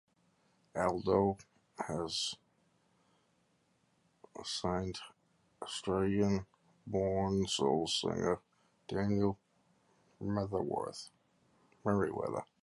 Allido has also signed Australian-born soul singer Daniel Merriweather.